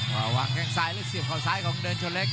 วางแข้งซ้ายแล้วเสียบเขาซ้ายของเดินชนเล็ก